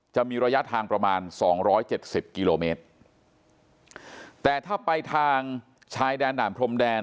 จะมีระยะทางประมาณสองร้อยเจ็ดสิบกิโลเมตรแต่ถ้าไปทางชายแดนด่านพรมแดน